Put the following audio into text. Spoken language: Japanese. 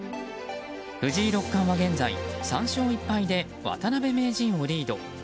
藤井六冠は、現在３勝１敗で渡辺名人をリード。